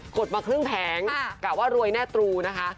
ดมาครึ่งแผงกะว่ารวยแน่ตรูนะคะ